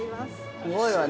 ◆すごいわね。